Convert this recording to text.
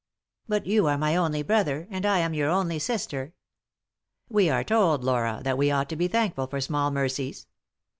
"But you are my only brother; and I am your only sister "" We are told, Laura, that we ought to be thankful for small mercies."